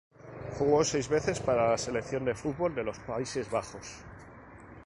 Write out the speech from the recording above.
Jugó seis veces para la Selección de fútbol de los Países Bajos.